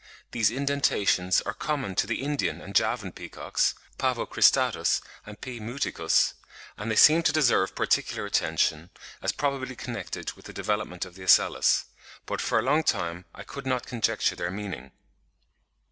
These indentations are common to the Indian and Javan peacocks (Pavo cristatus and P. muticus); and they seem to deserve particular attention, as probably connected with the development of the ocellus; but for a long time I could not conjecture their meaning.